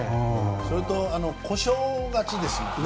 それと故障がちですよね。